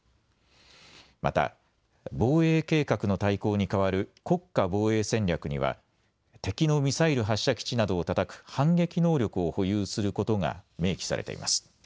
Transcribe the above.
また防衛計画の大綱に代わる国家防衛戦略には敵のミサイル発射基地などをたたく反撃能力を保有することが明記されています。